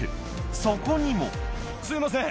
そこにもすいません